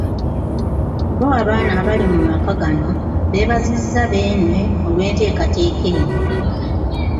Bo abaana abali mu maka gano beebazizza Beene olw'enteekateeka eno.